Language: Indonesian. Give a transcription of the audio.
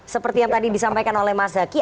seperti yang tadi disampaikan oleh mas zaky